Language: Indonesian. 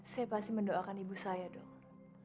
saya pasti mendoakan ibu saya dong